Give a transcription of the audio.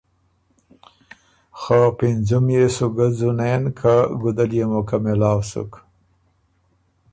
خه پِنځُم يې سُو ګۀ ځنېن که ګُده ليې موقع واک سُک۔